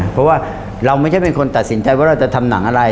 เพราะว่าเราไม่ใช่เป็นคนตัดสินใจว่าเราจะทำหนังอะไร